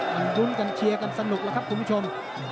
มันลุ้นกันเชียร์กันสนุกแล้วครับคุณผู้ชม